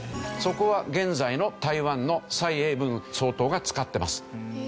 そこは現在の台湾の蔡英文総統が使ってます。